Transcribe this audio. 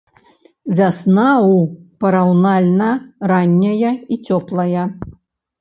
Вясна ў параўнальна ранняя і цёплая.